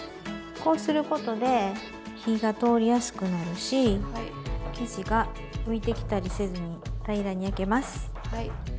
こうすることで火が通りやすくなるし生地が浮いてきたりせずに平らに焼けます。